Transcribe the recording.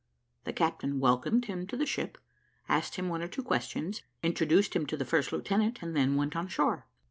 The captain welcomed him to the ship, asked him one or two questions, introduced him to the first lieutenant, and then went on shore.